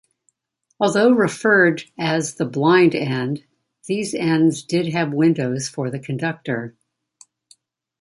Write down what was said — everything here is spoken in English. Although referred as the "blind end," these ends did have windows for the conductor.